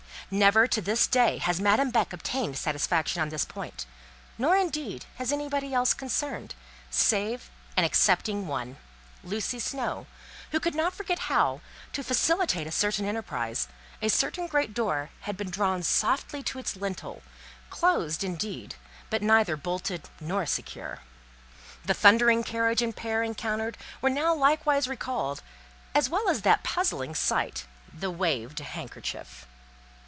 Never to this day has Madame Beck obtained satisfaction on this point, nor indeed has anybody else concerned, save and excepting one, Lucy Snowe, who could not forget how, to facilitate a certain enterprise, a certain great door had been drawn softly to its lintel, closed, indeed, but neither bolted nor secure. The thundering carriage and pair encountered were now likewise recalled, as well as that puzzling signal, the waved handkerchief.